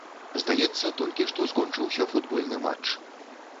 Здаецца, толькі што скончыўся футбольны матч.